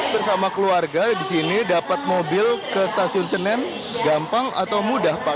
bersama keluarga di sini dapat mobil ke stasiun senen gampang atau mudah pak